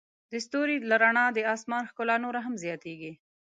د ستوري له رڼا د آسمان ښکلا نوره هم زیاتیږي.